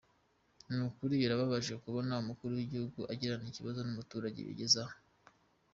Ni ukuri birababaje kubona umukuru w’igihugu agirana ikibazo n’umuturage bigeze aha.